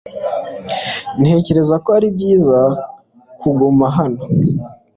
Ntekereza ko ari byiza kuguma hano .